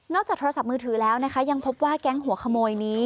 จากโทรศัพท์มือถือแล้วนะคะยังพบว่าแก๊งหัวขโมยนี้